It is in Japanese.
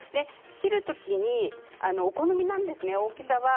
切るときにお好みなんですね、大きさは。